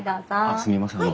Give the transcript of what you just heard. あっすみません。